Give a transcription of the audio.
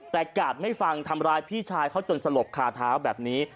แต่กาดไม่ฟังทำร้ายพี่ชายเขาจนสลบคาเท้าแบบนี้